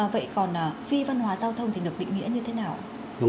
vậy còn phi văn hóa giao thông thì được định nghĩa như thế nào ạ